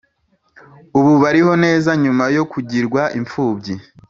Ubu bariho neza Nyuma yo kugirwa imfubyi